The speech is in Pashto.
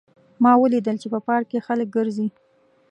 ما ولیدل چې په پارک کې خلک ګرځي